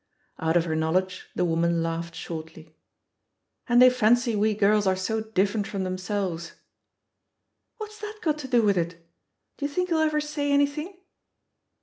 Out of her knowledge, the woman laughed shortly. "And they fancy we girls are so differ ent from themselves I" "What's that got to do with it? D'ye think he'll ever say anything?"